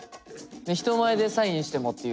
人前でサインしてもっていう。